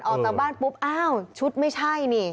ออกจากบ้านปุ๊บอ้าวชุดไม่ใช่นี่